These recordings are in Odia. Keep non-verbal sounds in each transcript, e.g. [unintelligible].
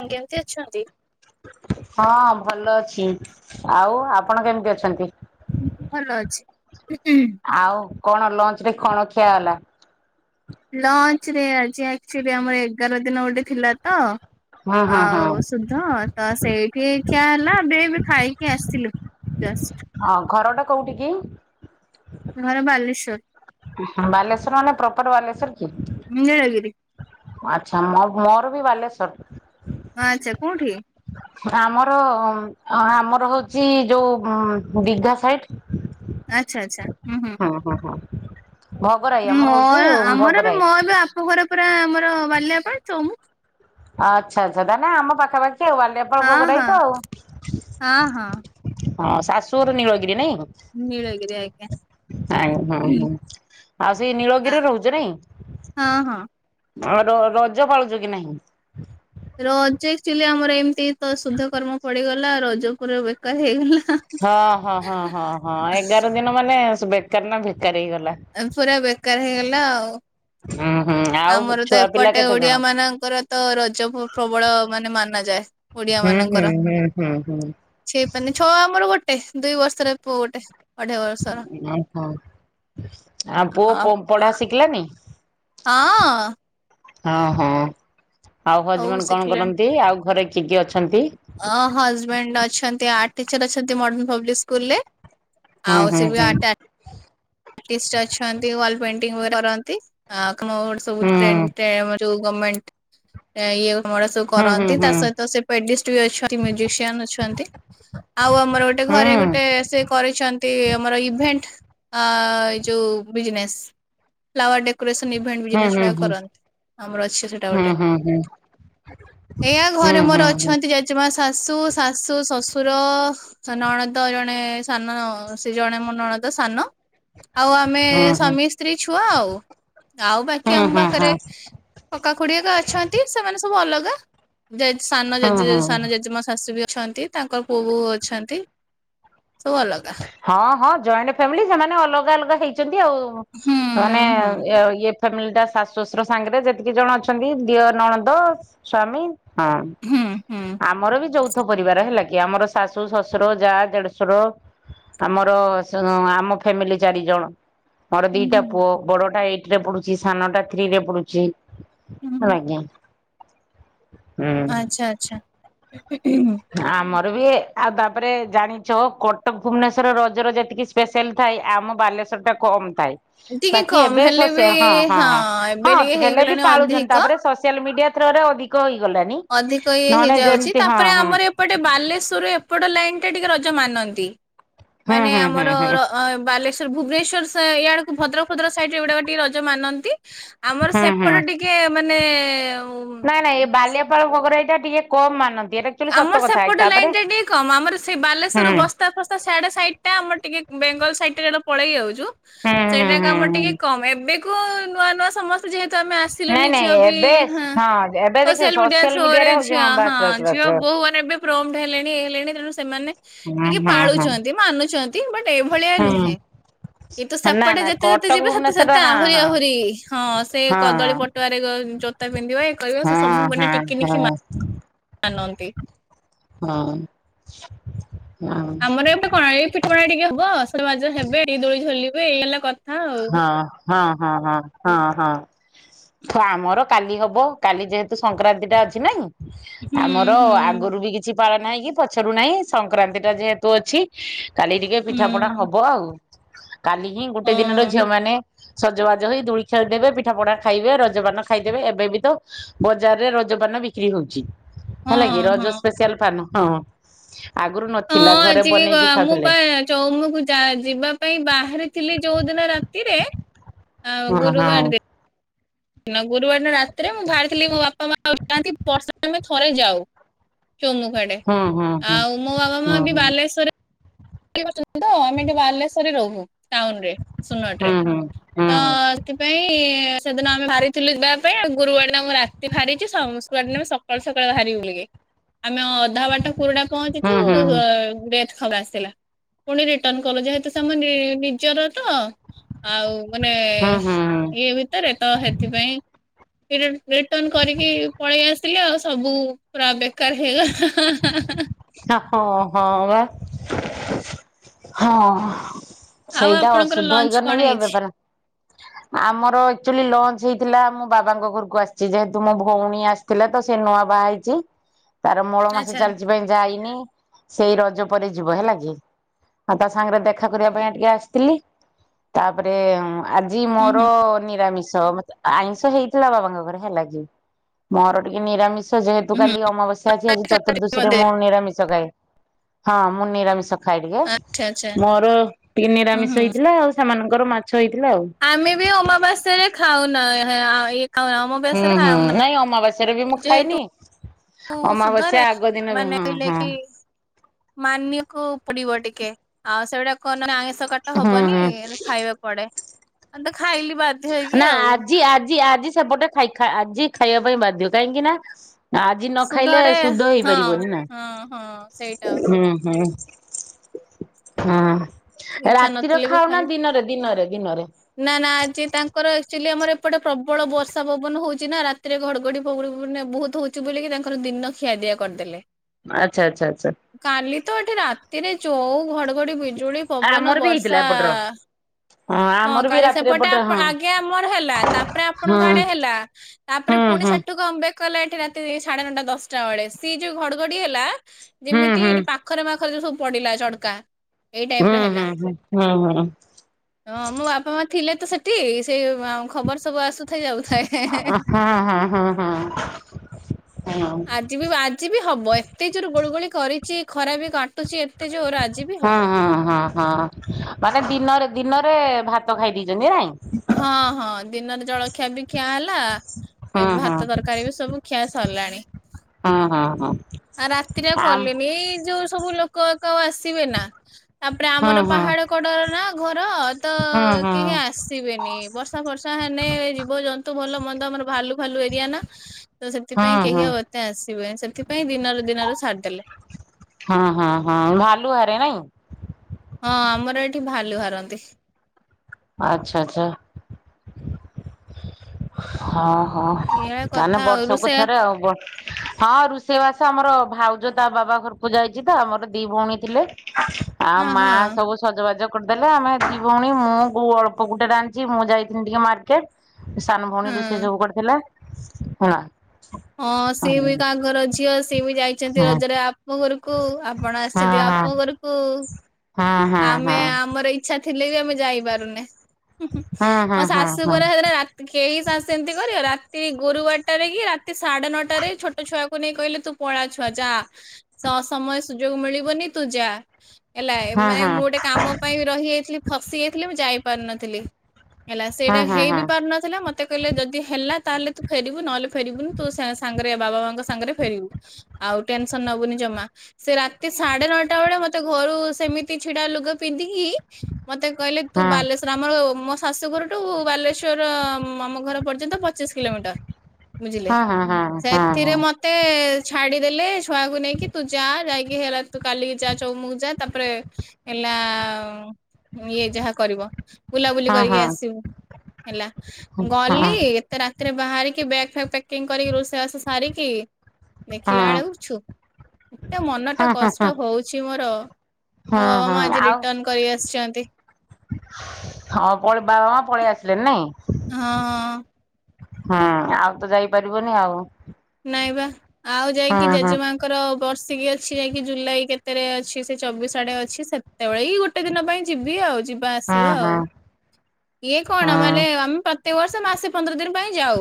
ଆ କେମିତି ଅଛନ୍ତି? ହଁ ଭଲ ଅଛି ଆଉ ଆପଣ କେମିତି ଅଛନ୍ତି? ଭଲ ଅଛି ହୁହୁଁ। ଆଉ କଣ ଲଞ୍ଚ ରେ କଣ ଖିଆ ହେଲା ଲଞ୍ଚ ରେ ଆଜି ଆକ୍ଚୋଲି ଆମର ଏଗାର ଦିନ ଗୋଟେ ଥିଲା ତ ହୁଁ ହୁଁ ହୁଁ ଆଉ ସୁ ତ ତ ସେଇଠି ଖିଆ ହେଲା ଏବେ ଏବେ ଖାଇକି ଆସିଥିଲୁ ଜଷ୍ଟ। ହଁ ଘର ଟା କୋଉଠି କି? ଘର ବାଲେଶ୍ଵର। ବାଲେଶ୍ଵର ମାନେ ପ୍ରପର ବାଲେଶ୍ଵର କି? ନୀଳଗିରି ଆଚ୍ଛା ମୋ ମୋର ବି ବାଲେଶ୍ଵର। ହଁ ଆଚ୍ଛା କୋଉଠି? ଆମର ଆମର ହଉଛି ଯୋଉ ଦିଘା ସାଇଟ। ଆଚ୍ଛା ଆଚ୍ଛା ହୁଁ ହୁଁ। ହଁ ହଁ ହୁଁ। ଭୋଗରାଇ ଆମର ମୋ ହଉଛି ଆମର ବି ଭୋଗରାଇ। ମୋ ଏ ବି ବାପ ଘର ପୁରା ଆମର ବାଲିଆପାଳ ତ। ଆଚ୍ଛା ଆଚ୍ଛା ତାହେଲେ ଆମ ପାଖାପାଖି ଆଉ ବାଲିଆପଳ ହଁ ଭୋଗ ରାଇ ହଁ ତ ଆଉ। ହଁ ହଁ ହଁ ଶାଶୂର ନୀଳଗିରି ନାଇଁ। ନୀଳଗିରି ଆଜ୍ଞା।। ଆଜ୍ଞ ହୁଁ ହୁଁ ଆଉ ସେ ନୀଳଗିରିରେ ରହୁଛ ନାଇଁ? ହଁ ହଁ। ଆ ର ରଜ ପାଳୁଛ କି ନାହିଁ? ରଜ ଆକ୍ଚୋଲି ଆମର ଏମିତି ତ ଶୁଦ୍ଧ କର୍ମ ପଡିଗଲା ରଜ ପୁରା ବେକାର ହେଇଗଲା। ହଁ ହଁ ହଁ ହଁ ହଁ ଏଗାର ଦିନ ମାନେ ବେକାର ନା ବେକାର ହେଇଗଲା। ଏବ୍ ପୁରା ବେକାର ହେଇଗଲା ଆଉ। ଉୁଁ ହୁଁ ଆଉ ଆମର ତ ଛୁଆ ପିଲା ଏପଟେ କେତେ ଜଣ? ଓଡିଆ ମାନଙ୍କର ତ ରଜ ପ୍ରବଳ ମାନେ ମାନା ଯାଏ। ହୁଁ ହୁଁ ହୁଁ ହୁଁ ହୁଁ। ଛି ହେଇପରୁନି, ଛଅ ଆମର ଗୋଟେ ଦୁଇ ବର୍ଷର ପୁଅ ଗୋଟେ। ଅଢେଇ ବର୍ଷର। ଓହୋ, ଆଉ ପୁଅ ପଢା ଶିଖିଲାନି? ହଁ। ହଁ ହଁ ଆଉ ହଉ ହଜବଣ୍ଡ କଣ ଶିଖିଲାଣି। କରନ୍ତି ଆଉ ଘରେ କିଏ କିଏ ଅଛନ୍ତି? ହଜବେଣ୍ଡ ଅଛନ୍ତି ଆର୍ଟ ଟିଚର ଅଛନ୍ତି ମଡନ ପବ୍ଲିକ୍ ସ୍କୁଲରେ। ହୁଁ ଆଉ ହୁଁ ହୁଁ ସେବି ଆଟାକ୍ ଟିସ୍ ଅଛନ୍ତି ୱାଲ ପେଣ୍ଟିଂକରନ୍ତି ଆ କମୋଡ ସବୁ ହୁଁ [unintelligible] ଯୋଉ ଗମେଣ୍ଟ ଆକ ଅମଡ଼ା ସବୁ ହୁଁ ହୁଁ କରନ୍ତି ହୁଁ। ତା ସହିତ ସେ ପେଡିଷ୍ଟ ବି ଅଛନ୍ତି ମ୍ୟୁଜିସିଆନ୍‌ ଅଛନ୍ତି। ଆଉ ଆମର ଗୋଟେ ହୁଁ ଘରେ ଗୋଟେ ସେ କରିଛନ୍ତି ଆମର ଇଭେଣ୍ଟ ଆ ଯୋଉ ବିଜ୍‌ନେସ୍। ଫ୍ଲାୱାର ଡେକୋରେସନ୍‌ ଇଭେଣ୍ଟ ହୁଁ ବିଜନେସ୍‌ ହୁଁ ଗୁରା ହୁଁ କରନ୍ତି ଆମର ଅଛି ସେଟା ହୁଁ, ହୁଁ, ହୁଁ ଏୟା ହୁଁ ଘରେ ହୁଁ ହୁଁ ମୋର ହୁଁ। ଅଛନ୍ତି ଜେଜେମା, ଶାଶୁ ଶାଶୁ, ଶଶୁର ନଣନ୍ଦ ଜଣେ ସାନ ସେ ଜଣେ ମୋ ନଣନ୍ଦ ସାନ ଆଉ ଆମେ ସ୍ୱାମୀ, ସ୍ତ୍ରୀ, ଛୁଆ, ଆଉ ଆଉ ହୁଁ ବାକି ଆମ ହୁଁ ହଁ ପାଖରେ କକା ଖୁଡିଆକା ଅଛନ୍ତି ସେମାନେ ସବୁ ଅଲଗା ଜେଜେ ସାନ ହୁଁ ଜେଜେ ହୁଁ। ସାନ ଜେଜେମା ଶାଶୁ ବି ଅଛନ୍ତି ତାଙ୍କର ପୁଅ ବୋଉ ଅଛନ୍ତି ସବୁ ଅଲଗା ହଁ, ହଁ ଜଏଣ୍ଟ ଫ୍ୟାମିଲି ସେମାନେ ଅଲଗା ଅଲଗା ହେଇଛନ୍ତି ଆଉ ହୁଁ ମାନେ ହୁଁ। ଇଏ ଫାମିଲି ଟା ଶାଶୁ, ଶଶୁର ସାଙ୍ଗରେ ଯେତିକି ଜଣ ଅଛନ୍ତି ଦିଅର, ନଣନ୍ଦ, ସ୍ଵାମୀ ହୁଁ ହୁଁ। ଆମର ବି ଯୌଥ ପରିବାର ହେଲା କି ଆମର ଶାଶୁ, ଶଶୁର, ଯା, ଦେଢ଼ଶୁର। ଆମର ଆମ ଫ୍ୟାମିଲି ଚାରି ଜଣ ମୋର ହୁଁ ଦିଟା ହୁଁ। ପୁଅ ବଡ଼ ଟା ଏଇଟ ରେ ପଢୁଛି ସାନଟା ଥ୍ରୀ ରେ ପଡୁଛି ହୁଁ ହେଲା ହୁଁ ଆଜ୍ଞା। ଆଚ୍ଛା ଆଚ୍ଛା ଆମର ବି ଆଉ ତାପରେ ଜାଣିଛ କ କଟକ, ଭୁବନେଶ୍ଵର ରଜର ଯେତିକି ସ୍ପେଶାଲ୍‌ ଥାଏ ଆମ ବାଲେଶ୍ୱର ଟା କମ୍ ଥାଏ ଟିକେ ବାକି କମ ଏବେ ହେଲେ ବି ସୋସିଆଲ୍ ହଁ, ହଁ, ହ, ଏବେ ହଁ ଟିକେ ହେଲେ ବି ହେଇଗଲାଣି ପାଳୁଛନ୍ତି ଅଧିକ। ତାପରେ ସୋସିଆଲ୍ ମିଡ଼ିଆ ଥ୍ରୋରେ ଅଧିକ ଧିକ ହୋଇଗଲଣିି ଅଧିକ ଇଏ ନହେଲେ ହେଇଯାଉଛି ଯେମତି ହଁ ତାପରେ ହଁ ଆମର ଏପଟେ ବାଲେଶ୍ୱର ଏପଟ ଲାଇନ୍ଟା ଟିକେ ରଜ ମାନନ୍ତି ହୁଁ ମାନେ ହୁଁ ଆମର ହୁଁ ହୁଁ ରଜ ହଁ ବାଲେଶ୍ୱର, ଭୁବନେଶ୍ୱର ଇଆଡ଼କୁ ଭଦ୍ରକ ଫଦ୍ରକ ସାଇଡ଼ ଏଗୁଡ଼ାକୁ ଟିକେ ରଜ ମାନନ୍ତି ଆମର ହୁଁ ସେପଟ ହୁଁ ଟିକେ ମାନେ ଆଉ ପାଲିଆପାଳଙ୍କର ଏଇଟା ଟିକେ କମ୍ ମାନନ୍ତି ଏଇଟା ଖାଲି ଆମର ସେପଟେ ଲାଇନ୍‌ ଟା ଟିକେ କମ୍ ଆମର ସେଇ ହୁଁ ବାଲେଶ୍ୱର ବସ- ରାସ୍ତା ଫାସ୍ତା ସାଢେ ସାଇଟା ଆମର ଟିକେ ବେଙ୍ଗଲ ସାଇଟଟା ରେ ପଳେଇ ଆଉଚୁ ହୁଁ ହୁଁ ସେଇଟା ହୁଁ ଆମର ହୁଁ ଟିକେ କମ୍ଏବେକୁ ନୂଆ ନୂଆ ସମସ୍ତେ ଯେହେତୁ ଆମେ ଆସ ନାଇଁ ଆସିଲୁଣି ନାଇଁ ଝିଅ ବି ଏବେ ହାଁ ହଁ ଏବେ ଦେଖ ସୋସିଲ୍‌ ମିଡିଆ ସୋସିଆଲ ଥ୍ରୁରେ ମିଡିଆରେ ହଉଛି ଝିଅ ହଁ ବାସ୍ ବାସ୍ ବାସ୍ ହୁଁ ପୁଅମାନେ ଏବେ ପ୍ରମଟ୍ ହେଲେଣି ହେଇଲେଣି ତେଣୁ ସେମାନେ ଟିକେ ହୁଁ ହୁଁ ପାଳୁଛନ୍ତି ମାନୁଛନ୍ତି ବା ଟ୍ ଏଭଳିଆ ହୁଁ ନୁହେଁ କିନ୍ତୁ ନା ସେପଟେ ନା ଯେତେ ଯେତେ କଟକ ଯିବେ ସେତେ ଭୁବନେଶ୍ଵର ସେତେ ଆହୁରି ଆହୁରି ହଁ ସେ ହଁ କଦଳୀ ପଟୁଆରେ ଜୋତା ପିନ୍ଧିବ ଇଏ କରିବ ହଁ ସେ ସବୁ ମାନେ ହଁ ଟିଖି ନିଖି ମା ହଁ ମାନନ୍ତି ହଁ ହଁ ଆମର ଏବେ କଣ ଏଇ ପିଠାପଣା ଟିକେ ହବ ସଜ ବାଜ ହେବେ ଟିକେ ଦୋଳି ଝୁଲିବେ ଏଇ ହେଲା ଆଉ। ହଁ, ହଁ, ହଁ, ହଁ, ହଁ ହ ଆମର କାଲି ହବ କାଲି ଯେହେତୁ ସଂକ୍ରାନ୍ତି ଟା ଅଛି ନାଇଁ? ହୁଁ ଆମର ହୁଁ ଆଗରୁ ବି କିଛି ପାଳନ ହେଇଁ କି ପଛରୁ ନାହିଁ ସଂକ୍ରାନ୍ତି ଟା ଯେହେତୁ ଅଛି କାଲି ଟିକେ ହୁଁ ପିଠା ପଣା ହବ ଆଉ କାଲି ହିଁ ଗୋଟେ ହଁ ଦିନରେ ଝିଅ ମାନେ ସଜବାଜ ହେଇ ଦୁଳି ଖେଳିଦେବେ ପିଠା ପଣା ଖାଇବେ ରଜପାନ ଖାଇଦେବେ ଏବେ ବି ତ ବଜାର୍‌ ରେ ରଜ ପାନ ବିକ୍ରି ହଉଛି ହଁ ହେଲା କି ରଜ ହଁ। ସ୍ପେଶିଆଲ୍‌ ପାନ ହଁ। ଆଗରୁ ନଥିଲା ଘରେ ବନେଇକି ଖାଉଥିଲେ ଚଉମୁକୁ ଯା ଯିବା ପାଇଁ ବାହାରିଥିଲି ଯୋଉଁ ଦିନ ରାତିରେ ହେଁ ହଁ ଗୁରୁ ବାର ହଁ ଦିନ ଗୁରୁବାର ରାତିରେ ମୁଁ ବାହାରିଥିଲି ମୋ ବାପା ମା ଆଗରୁ ଯାଆନ୍ତି ବର୍ଷରେ ଆମେ ଥରେ ଯାଉ। ଚଉମୁକୁ ଆଡେ ହୁଁ ହୁଁ ଆଉ ମୋ ବାବା ମା ହୁଁ ବି ହୁଁ ବାଲେଶ୍ବରେ ଚାକିରୀ କରିଛନ୍ତି ତ ଆମେ ଏଠି ବାଲେଶ୍ଵରରେ ରହୁ ଟାଉନ ରେ ସୁନଟ ରେ। ହୁଁ ହୁଁ ହୁଁ ତ ହୁଁ ସେଥିପାଇଁ ସେଦିନ ଆମେ ବାହାରିଥିଲୁ ଯିବା ପାଇଁ ଆଉ ଗୁରୁବାର ଦିନ ମୁଁ ରାତି ରେ ବାହାରିଛି ସଁ ଶୁକ୍ରବାର ଦିନ ମୁଁ ସକାଳୁ ସକାଳୁ ବାହାରିବୁ ବୋଲିକି ଆମେ ଅ ଅଧା ବାଟ କୁରୁଡା ପହଞ୍ଚିଚୁ ହୁଁ ଡେଥ୍ ଖବର ଆସିଲା। ପୁଣି ରିଟର୍ଣ୍ଣ କଲୁ ଯେହେତୁ ସେ ଆମ ନି ନିଜର ତ। ଆଉ ମାନେ ହୁଁ ହୁଁ ହୁଁ ଇଏ ବି ରେ ତ ସେଥିପାଇଁ ରିଂ ରିଟର୍ଣ୍ଣ କରିକି ପଳେଇ ଆସିଲି ଆଉ ସବୁ ପୁରା ବେକାର ହୋଇଗଲା ହାଁ ହାଁ ହାଁ। ହାଁ ହଁ ହଁ ବା ହଁ। ଆଉ ସେଇଟା ଆପଣଙ୍କର ଅଶୁଦ୍ଧ ଲଞ୍ଚ କଣ ହେଇଗଲେ ବି ଏବେ ହେଇଛି? ପରା ଆମର ଆକ୍ଚୁୟେଲି ଲଞ୍ଚ ହେଇଥିଲା ମୋ ବାବାଙ୍କ ଘରକୁ ଆସିଛି ଯେହେତୁ ମୋ ଭଉଣୀ ଆସି ଥିଲେ ତ ସେ ନୂଆ ବାହା ହେଇଛି। ତାର ମଳ ମାସ ଆଚ୍ଛା ଚାଲିଛି ପାଇଁ ଯାଇନି ସେଇ ରଜ ପରେ ଯିବ ହେଲା କି ଆଉ ତା ସାଙ୍ଗରେ ଦେଖା କରିବା ପାଇଁ ଟିକେ ଆସିଥିଲି ତାପରେ ଆର ଆଜି ହୁଁ ମୋର ହୁଁ ନିରାମିଷ ମାନେ ଆଇଁଷ ହେଇଥିଲା ବାବାଙ୍କ ଘରେ ହେଲା କି ମୋର ଟିକେ ନିରାମିଷ। ଯେହେତୁ ହୁଁ କାଲି ଅମାବାସ୍ୟା ଅଛି ଆଜି ଚତୁର୍ଦ୍ଦଶୀ ରେ ମୁଁ ନିରାମିଷ ଖାଏ ହଁ ମୁଁ ନିରାମିଷ। ଖାଇଦେଲୁ ଆଚ୍ଛା ଆଚ୍ଛା ମୋର ଟିକେ ହୁଁ ନିରାମିଷ ହୁଁ ହେଇଥିଲା ଆଉ ସେମାନଙ୍କର ମାଛ ହେଇଥିଲା ଆଉ ଆମେ ବି ଅମାବାସ୍ୟାରେ ଖାଉଁନା ଏଁ କାଁ ମଁ ହୁଁ ହୁଁ ନାଇଁ ଅମାବାସ୍ୟାରେ ବି ମୁଁ ଯେହେତୁ ଖାଏନି ସୁଧରେ ଅମାବାସ୍ୟା ଆଗ ଦିନ ବି ହୁଁ ହୁଁ। ମାନିଆକୁ ପୁଡିବ ଟିକେ ହଁ ସେଗୁଡା କଣ ନାଁ ଆଇଁସ। କଟ ହୁଁ ହବନି ହୁଁ ଖାଇବାକୁ କୁଆଡେ ଅନ୍ତ ଖାଇଲି ବା ନାଁ ଆଜି ଆଜି ଆଜି ସେପଟେ ଖାଇ ଖାଁ ଆଜି ଖାଇବା ପାଇଁ ବାଧ୍ୟ କାହିଁକି ନାଁ ଆଜି ନ ଖାଇଲେ ସୁଧରେ ଶୁଦ୍ଧ ହଁ ହେଇପାରିବନି ହଁ ହଁ ସେଇଟା ନାଁ ହୁଁ ହୁଁ। ହୁଁ ଇଚ୍ଛା ରାତିର ଖାଉ ନା ଦିନରେ ଦିନରେ ଦିନରେ। ନାଁ ନାଁ ଆଜି ତାଙ୍କର ଆଚ୍ୟୁଲି ଆମର ଏପଟେ ପ୍ରବଳ ବର୍ଷା ପବନ ହଉଛି ନାଁ ରାତିରେ ଘଡଘଡି ବହୁତ ହଉଛି ବୋଲି ତାଙ୍କର ଦିନ ଖିଆ ପିଆ କରିଦେଲେ। ଓ ଆଚ୍ଛା ଆଚ୍ଛା ଆଚ୍ଛା। କାଲି ତ ଏଠି ରାତିରେ ଯୋଉଁ ଘଡଘଡି ବିଜୁଳି ପବନ ଆମର ବି ହେଇଥିଲା ବର୍ଷା। ଏପଟର। ହଁ ଆମର ବି କାଲି ରାତିରେ ସେପଟେ ଏପଟରେ ଆପଣ ହଁ ଆଗେ ଆମର ହେଲା ତାପରେ ହଁ ଆପଣଙ୍କ ଆଡେ ହେଲା। ତାପରେ ହୁଁ ହୁଁ ପୁଣି ସେଠୁଁ ହୁଁ କମବ୍ୟାକ। ଗଲା ଏଠି ରାତି ସାଢେ ନଅଟା ଦଶଟା ବେଳେ ସିଏ ଯୋଉଁ ଘଡଘଡି ହେଲା ଯେମିତି ହୁଁ। ଏଠି ପାଖ ପାଖରେ ପାଖରେ ସବୁ ପଡିଲା ଝଟକା ଏଇ ଟାଇମ୍ ହୁଁ ରେ ହେଲା। ହୁଁ ହୁଁ ହୁଁ ହୁଁ। ହଁ ମୋ ବାପା ମା ଥିଲେ ତ ସେଠି ସେଇ ଖବର ସବୁ ଆସୁଥାଏ ଯାଉଥାଏ। ହଁ ହଁ ହଁ ହଁ ହଁ। ଆଜି ବି ଆଜି ବି ହବ ଏତେ ଜୋର ଗୁଳୁ ଗୁଳି କରିଛି ଖରା ରେ ଘନ ହୁଁ ହୁଁ ହୁଁ। ହଁ ମାନେ ଦିନରେ ଦିନରେ ଭାତ ଖାଇ ଦେଇଛନ୍ତି ନାଇଁ। ହଁ ହଁ ଦିନରେ ଜଳଖିଆ ବି ଖିଆ ହେଲା। ହଁ ଏବେ ହଁ ଭାତ ତରକାରୀ ବି ସବୁ ଖିଆ ସରିଲାଣି। ହଁ ହଁ ହଁ। ଆ ରାତିରେ ଆଉ ଆମ୍ କଲିନି ଯୋଉ ସବୁ ଲୋକ ବାକ ଆଉ ଆସିବେ ନା ତାପରେ ହଁ ଆମର ହଁ ପାହାଡ କଡର ନା ଘର। ତ ହଁ କେହି ହଁ। ଆସିବେନି ବର୍ଷା ଫର୍ଷା ହେଲେେ ଜିବ ଜନ୍ତୁ ଭଲ ମନ୍ଦ ଆମର ଭାଲୁ ଫାଲୁ ଏରିଆ ନା। ତ ହଁ ସେଥିପାଇଁ ହଁ କେହି ଆଉ ଏତେ ଆସିବେନି ସେଥିପାଇଁ ଦିନରୁ ଦିନରୁ ସାରିଦେଲେ। ହଁ ହଁ ହଁ ଭାଲୁ ବାହାରେ ନାଇଁ। ହଁ ଆମର ଏଠି ଭାଲୁ ବାହାରନ୍ତି। ଆଚ୍ଛା ଆଚ୍ଛା। ହଁ ହଁ ଏଇଆ ତାହେଲେ କଥା ଆଉ ବର୍ଷକୁ ରୁଷେଇ ଥରେ ଆଉ ବ ହଁ ରୋଷେଇବାସ ଆମର ଭାଉଜ ତା ବାବା ଘରକୁ ଯାଇଛି ତ ଆମର ଦି ଭଉଣୀ ଥିଲେ। ଆଉ ହଁ ମା ହଁ ସବୁ ସଜବାଜ କରିଦେଲେ ଆମେ ଦି ଭଉଣୀ ମୁଁ କୋ ଅଳ୍ପ ଗୋଟେ ତ ରାନ୍ଧିଛି ମୁଁ ଯାଇଥିଲି ଟିକେ ମାର୍କେଟ। ସାନ ଭଉଣୀ ରୋଷେଇ ହଁ। ସବୁ କରିଥିଲା। ହଁ ସିଏ ବି ତା ଘର ଝିଅ ସିଏ ବି ଯାଇଛନ୍ତି ହଁ। ରଜରେ ଆପଣ ଙ୍କ ଘରକୁ ଆପଣ ଆସିଛନ୍ତି ଆମ ହଁ ଘରକୁ ହଁ ହଁ ଆମେ ଆମର ଇଚ୍ଛା ଥିଲେ ବି ଆମେ ଯାଇପାରୁନେ। ହଁ ହଁ ହଁ ମୋ ହଁ ଶାଶୁ ଘର ହଁ ରା କେହି ସାହସ ସେମିତି କରିବ ରାତି ଗୁରୁବାରଟା ରେ କି ରାତି ସାଢେ ନଅଟା ରେ ଛୋଟ ଛୁଆକୁ ନେଇ କହିଲ ପଳା ଛୁଆ ଯା ସମୟ ସୁଯୋଗ ମିଳିବନି ତୁ ଯା ହେଲା। ହଁ ହଁ ହଁ ମାନେ ହଁ। ମୁଁ ଗୋଟେ କାମ ପାଇଁ ରହିଯାଇଥିଲି ଫସି ଯାଇଥିଲି ମୁଁ ଯାଇପାରିନଥିଲି। ହେଲା ସେଇଟା ହଁ ହଁ ହେଇ ବି ହଁ ପାରୁନଥିଲା। ମତେ କହିଲେ ଯଦି ହେଲା ତାହେଲେ ତୁ ଫେରିବୁ ନହେଲେ ଫେରିବୁନୁ ତୁ ସାଙ୍ଗରେ ବାବା ମାଙ୍କ ସାଙ୍ଗରେ ଫେରିବୁ। ଆଉ ଟେନସନ ନବୁନି ଜମା ସେ ରାତି ସାଢେ ନଅଟା ବେଳେ ମତେ ଘରୁ ସେମିତି ଛିଡା ଲୁଗା ପିନ୍ଧିକି ମତେ କହିଲେ ତୁ ହଁ ବାଲେଶ୍ୱର ଆମର ମୋ ଶାଶୁଘରଠୁ ବାଲେଶ୍ଵର ଆମ ଘର ପର୍ଯ୍ୟନ୍ତ ପଚିଶ କିଲୋମିଟର ବୁଝିଲେ ହଁ ହଁ ହଁ ହଁ ହଁ ସେଥିରେ ହଁ। ମ ମତେ ଛାଡିଦେଲେ ଛୁଆକୁ ନେଇକି ତୁ ଯା ଯାଇକି ହେଲା ତୁ କାଲିକି ଯା ଚମୁକୁ ଯା ତାପରେ ହେଲା ଇଏ ଯାହା କରିବୁ। ବୁଲାବୁଲି ହଁ କରିକି ହଁ ଆସିବୁ ହେଲା ଗଲି ରାତିରେ ବାହାରିକି ବ୍ୟାଗ୍ ଫ୍ୟାଗ୍ ପ୍ୟାକିଂ କରିକି ରୋଷେଇବାଷ ସାରିକି ଦେଖିଲା ବେଳକୁ ଛୁ ଏତେ ମନଟା ହଁ କଷ୍ଟ ହଉଛି ମୋର। ମୋ ହଁ ବାବା ମା ହଁ ଆଜି ଆଉ ରିଟର୍ନ କରି ଆସିଛନ୍ତି। ହଁ ବାବା ମା ପଳେଇ ଆସିଲେନି ନାଇଁ। ହଁ। ହଁ ଆଉ ତ ଯାଇପାରିବନି ଆଉ। ନାଇଁ ବା ଆଉ ହୁଁ ଯାଇକି ହୁଁ ଜେଜେମା ତାଙ୍କର ବର୍ଷିକିଆ ଅଛି ଯାଇକି ଜୁଲାଇ କେତେରେ ଅଛି ସେ ଚବିଶ ଆଡେ ଅଛି ସେତେବେଳେ ହି ଗୋଟେ ଦିନ ପାଇଁ ଯିବି ଆଉ ଯିବା ହୁଁ ଆସିବା ହୁଁ ଆଉ ଇଏ ହୁଁ କଣ ମାନେ ଆମେ ପ୍ରତି ବର୍ଷ ମାସେ ପନ୍ଦର ଦିନ ପାଇଁ ଯାଉ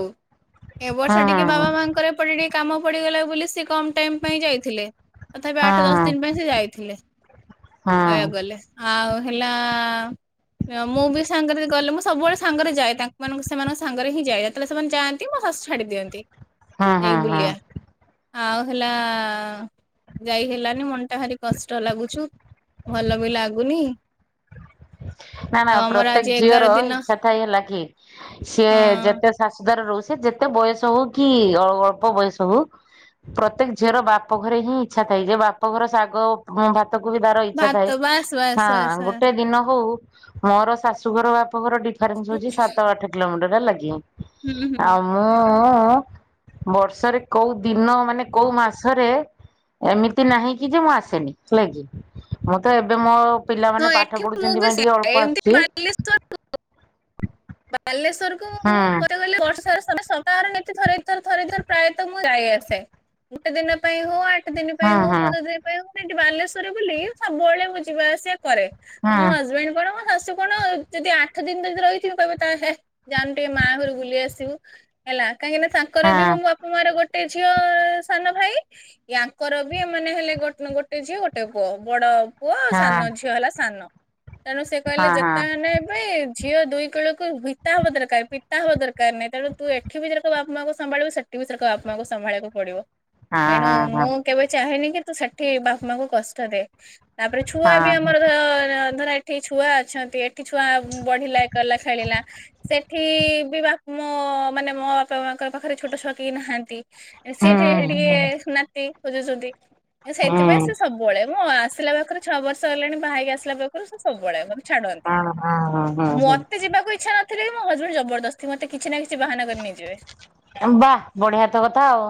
ଏ ବର୍ଷ ହୁଁ ହୁଁ ହୁଁ ଟିକେ ହୁଁ। ବାବା ମା ଙ୍କର ଏପଟେ ଟିକେ କାମ ପଡିଗଲା ବୋଲି ସେ କମ ଟାଇମ ପାଇଁ ଯାଇଥିଲେ। ତଥାପି ଆଠ ଦଶ ଦିନ ପାଇଁ ସେ ଯାଇଥିଲେ କହିବାକୁ ହୁଁ ଗଲେ। ଆଉ ହେଲା ମୁଁ ବି ସାଙ୍ଗରେ ଗଲେ ମୁଁ ସବୁବେଳେ ସାଙ୍ଗରେ ଯାଏ ତାଙ୍କ ସେମାନଙ୍କ ସାଙ୍ଗରେ ହିଁ ଯାଏ ଯେତେବେଳେ ସେମାନେ ଯାଆ ନ୍ତି ମୁଁ ହସ ଛାଡି ଦିଅନ୍ତି ହୁଁ ଯାଇକି ହୁଁ ବୁଲିଆ। ଆଉ ହେଲା ଯାଇ ହେଲାନି ମନଟା ଭାରି କଷ୍ଟ ଲାଗୁଛୁ। ଭଲ ବି ଲାଗୁନି। ନା ନା ଆଉ ଆମର ଆଜି ପ୍ରତ୍ୟେକ ଏଗାର ଝିଅର ଦିନ ଇଚ୍ଛା ଥାଏ ହେଲା କି ସିଏ ହଁ ଯେତେ ଶାଶୁ ଦାର ରହୁଛ ଯେତେ ବୟସ ହଉ କି ଅଳ୍ପ ବୟସ ହଉ। ପ୍ରତ୍ୟେକ ଝିଅର ବାପଘରେ ହିଁ ଇଚ୍ଛା ଥାଏ ଯେ ବାପଘର ଶାଗ ଭା ତକୁ ବି ତାର ଇଚ୍ଛା ଭାତ ଥାଏ ବାସ୍ ବାସ୍ ହଁ ବାସ୍ ବାସ୍ ଗୋଟେ ଦିନ ହଉ ମୋର ଶାଶୁଘର ବାପଘର ଡିଫରେନ୍ସ ହଉଛି ସାତ ଆଠ କିଲୋମିଟର ହେଲା କି। ହୁଁ ହୁଁ। ଆଉ ମୁଁ ବର୍ଷରେ କୋଉ ଦିନ ମାନେ କୋଉ ମାସରେ ଏମିତି ନାହିଁ କି ଯେ ମୁଁ ଆସେନି ହେଲେ କିି ମୁଁ ତ ଏବେ ମୋ ପିଲାମାନେ ପାଠ ପଢୁ ମୁ ତ ସେମତି ବାଲେଶ୍ଵର ବାଲେଶ୍ଵର କୁ ହଁ। ତ ଗଲେ ବର୍ଷ ସାରା ସପ୍ତାହରେ ଥରେ ଦିଥର ଥରେ ଦିଥର ପ୍ରାୟତଃ ମୁଁ ଯାଏ ଆସେ। ଗୋଟେ ଦିନ ପାଇଁ ହଉ ଆଠ ଦିନ ପାଇଁ ହଁ ହଉ ହଁ ପନ୍ଦର ଦିନ ପାଇଁ ହଉ ସେଇଠି ବାଲେଶ୍ଵର ବୋଲି ସବୁବେଳେ ମୁଁ ଯିବା ଆସିବା କରେ। ମୋ ହଜବେଣ୍ଡ କଣ ମୋ ଶାଶୁ କଣ ଯଦି ଆଠ ଦିନ ଯଦି ରହିଥିବି କହିବେ ତାଲେ ହେଁ ଜାନି ଟିକେ ମା ଘରୁ ବୁଲି ଆସିବୁ। ହେଲା କାହିଁକିନା ହଁ ତାଙ୍କର ହଁ ବି ମୋ ବାପା ମାର ଗୋଟେ ଝିଅ ସାନ ଭାଇ। ୟାଙ୍କର ବି ଏମାନେେ ହେଲେ ଗୋଟେ ଝିଅ ଗୋଟେ ପୁଅ ବଡ ପୁଅ ଆଉ ହଁ ହଁ ହଁ ହଁ ସାନ ଝିଅ ହେଲା ସାନ ତେଣୁ ସେ କହିଲେ ଯେତେନେବି ଝିଅ ଦୁଇ କୂଳକୁ ହିତା ହବା ଦରକାର ପିତା ହବା ଦରକାର ନାହିଁ ତେଣୁ ତୁ ଏଠି ବିରକ ବାପ ମାଙ୍କୁ ସମ୍ଭାଳିବୁ ସେ ଠି ବି ସେ ବାପାମାକୁ ସମ୍ଭାଳିବାକୁ ପଡିବ। ହଁ ତେଣୁ ହଁ ମୁଁ କେବେ ଚାହେଁନି କି ତୁ ସେଠି ବାପା ମାଙ୍କୁ କଷ୍ଟଦେ ତାପରେ ଛୁଆ ବି ହଁ ହୁଁ ଆମର ଧର ଏଠି ଛୁଆ ଅଛନ୍ତି ଏଠି ଛୁଆ ବଢିଲା ଇଏ କଲା ଖେଳିଲା ସେଠି ବି ବା ମୋ ମାନେ ମୋ ବାପା ମାଙ୍କ ପାଖରେ ଛୋଟ ଛୁଆ କେହି ନାହାନ୍ତି। ସିଏଠି ହେଠେ ହୁଁ ଟିକେ ନାତି ଖୋଜୁଛନ୍ତି ହଁ ସେଇଥିପାଇଁ ସେ ସବୁବେଳେ ମୁଁ ଆସିଲା ପାଖରୁ ଛଅ ବର୍ଷ ହେଲାଣି ବାହାକି ଆସିଲା ପାଖରୁ ସେ ସବୁବେଳେ ମାନେ ଛାଡନ୍ତି ହଁ ହଁ ହଁ ହଁ ମୋତେ ଯିବାକୁ ଇଚ୍ଛା ନଥିଲେ ବି ମୋ ହଜବେଣ୍ଡ ଜବରଦ ସ୍ତି ମୋତେ କିଛି ନା କିଛି ବାହାନା କରିକି ନେଇଯିବେ। ବାଃ ବଢିଆ ତ କଥା ଆଉ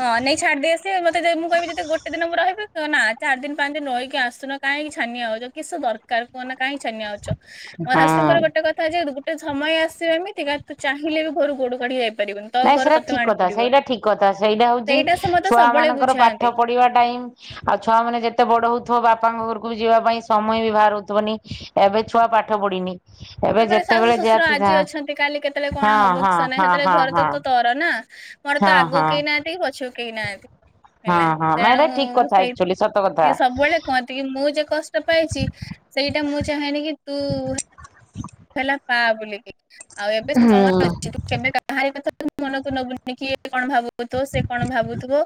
ହଁ ନେଇ ଛାଡିଦେଇ ଆସିଥିବେ ମୋତେ ଯାଇ ମୁଁ କିହିବି ଯଦି ଗୋଟେ ଦିନ ମୁଁ ରହିବି ନା ଚାରି ଦିନ ପାଞ୍ଚ ଦିନ ରହିକି ଆସୁନ। କାହିଁକି ଛାନିଆ ହଉଛ କିସ ଦରକାର କୁହନା କାହିଁକି ଛାନିଆ ହଉଛ ମୋର ହଁ ଶାଶୁଙ୍କର ଗୋଟେ କଥା ଥା ଯେ ଗୋଟେ ସମୟ ଆସିବ ଏମିତିକା ତୁ ଚାହିଁଲେ ବି ଘରୁ ଗୋଡ କାଢି ଯାଇ ନାଇଁ ସେଇଟା ଠିକ କଥା ସେଇଟା ଠିକ କଥା ସେଇଟା ହଉଛି ସେ ମତେ ସବୁବେଳେ ଛୁଆମାନଙ୍କର ବୁଝାନ୍ତି ପାଠ ପଢିବା ଟାଇମ ଆଉ ଛୁଆମାନେ ଯେତେ ବଡ ହଉଥିବ ବାପାଙ୍କ ଘରକୁ ବି ଯିବା ପାଇଁ ସମୟ ବି ବାହାର ହଉଥିବନି। ଏବେ ଛୁଆ ପାଠ ପଢିନି। ଏବେ ତାପରେ ଶାଶୁ ଯେତେବେଳେ ଶ୍ୱଶୁର ଯା- ଆଜି ଅଛନ୍ତି କାଲି ହଁ -ହଁ -ହଁ -ହଁ। ହଁ କର ନା ମୋର ତ ହଁ ଆଗକୁ ହଁ କେହି ନାହାନ୍ତି କି ପଛକୁ କେହି ନାହାନ୍ତି। ହେଲା ହଁ ହଁ ନାଇଁ ଏଇଟା ଠିକ ତେଣୁ କଥା ସେଇ ଆକ୍ଚୁଆଲି ସତ କଥା ସିଏ ସବୁବେଳେ କୁହନ୍ତ୍ ତି କି ମୁଁ ଯଉ କଷ୍ଟ ପାଇଚି ସେଇଟା ମୁଁ ଚାହେଁନି କି ତୁ [inaudible] ହେଲା ପା ବୁଲିକି ଆଉ ଏବେ ସମାନ ହୁଁ ଅଛି କେ କାହାରି କଥା ମନକୁ ନବୁନି କି କଣ ଭାବୁଥିବ ସେ କଣ ଭାବୁଥିବ